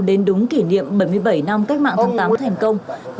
đến đúng kỷ niệm bảy mươi bảy năm cách mạng tháng tám thành công